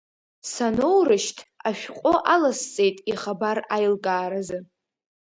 Саноурышьҭ, ашәҟәы аласҵеит ихабар аилкааразы.